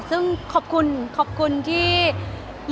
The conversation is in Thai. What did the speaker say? คือบอกเลยว่าเป็นครั้งแรกในชีวิตจิ๊บนะ